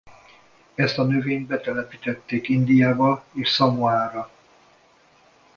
Ezt a növényt betelepítették Indiába és Szamoára.